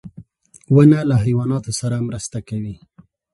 • ونه له حیواناتو سره مرسته کوي.